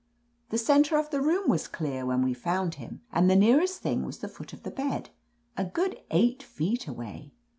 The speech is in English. The center of the room was clear when we found him, and the nearest thing was the foot of the bed, a good eight feet away."